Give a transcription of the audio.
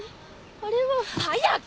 あれは早く！